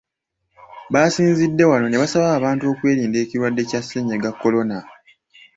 Baasinzidde wano ne basaba abantu okwerinda ekirwadde kya Ssennyiga kolona.